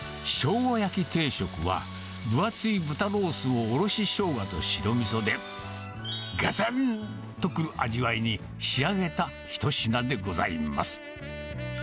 しょうが焼き定食は、分厚い豚ロースをおろししょうがと白みそで、がつんとくる味わいに仕上げた一品でございます。